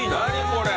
これ。